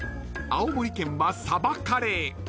［青森県は鯖カレー］